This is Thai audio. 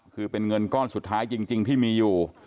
คือเป็นเงินก้อนสุดท้ายจริงที่มีอยู่